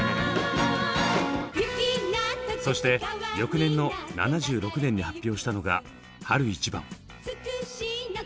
そして翌年の７６年に発表したのが「春一番」。